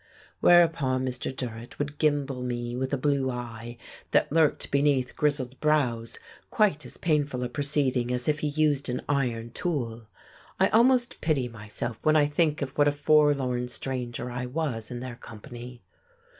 Whereupon Mr. Durrett would gimble me with a blue eye that lurked beneath grizzled brows, quite as painful a proceeding as if he used an iron tool. I almost pity myself when I think of what a forlorn stranger I was in their company.